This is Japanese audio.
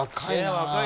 はい！